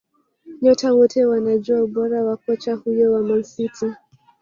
Nyota wote wanajua ubora wa kocha huyo wa Man City